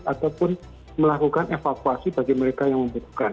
ataupun melakukan evakuasi bagi mereka yang membutuhkan